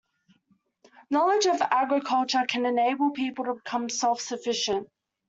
Knowledge of agriculture can enable people to become self-sufficient.